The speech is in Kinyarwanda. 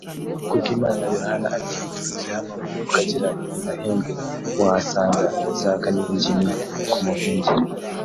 Kubwimana Yohani ati “Uturutse hano ukagera i Mahembe wahasanga za kaningini ku muhengeri